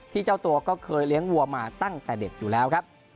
เจ้าตัวก็เคยเลี้ยงวัวมาตั้งแต่เด็กอยู่แล้วครับ